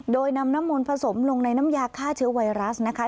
โดยนำน้ำมนต์ผสมลงในน้ำยาฆ่าเชื้อไวรัสนะคะ